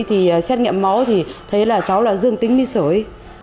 thì xét nghiệm máu thì thấy là cháu là dương tính với sởi